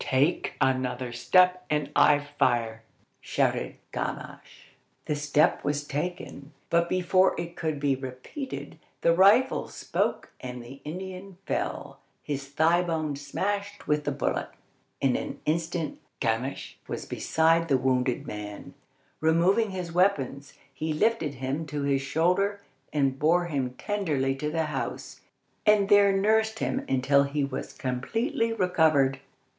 "Take another step and I fire," shouted Gamache. The step was taken, but before it could be repeated, the rifle spoke and the Indian fell, his thigh bone smashed with the bullet. In an instant Gamache was beside the wounded man. Removing his weapons, he lifted him to his shoulder, and bore him tenderly to the house, and there nursed him until he was completely recovered.